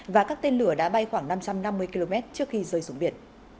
và các tên lửa đã bay khoảng năm trăm năm mươi km trước khi rơi xuống biển